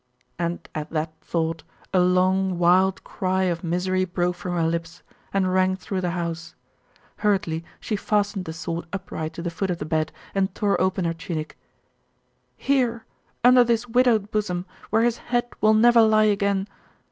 And at that thought, a long wild cry of misery broke from her lips, and rang through the house. Hurriedly she fastened the sword upright to the foot of the bed, and tore open her tunic.... 'Here under this widowed bosom, where his head will never lie again!